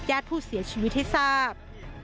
ญาติผู้เสียชีวิตให้ทราบ